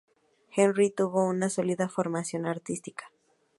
Henry tuvo una sólida formación artística.